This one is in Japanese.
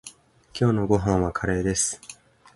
今日のご飯はカレーです。